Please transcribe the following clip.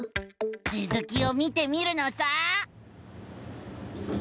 つづきを見てみるのさ！